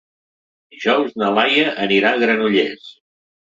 Dijous na Laia anirà a Granollers.